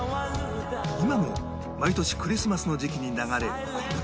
今も毎年クリスマスの時期に流れるこの曲